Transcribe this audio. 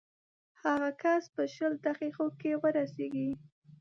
هغه کس به شل دقیقو کې ورسېږي.